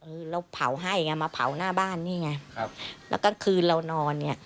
เราเผาให้มาเผาหน้าบ้านนี่ไงแล้วก็คืนเรานอนเนี่ย